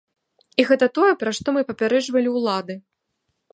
І гэта тое, пра што мы папярэджвалі ўлады.